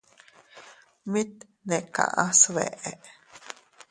Mit ne kaʼa sbeʼe.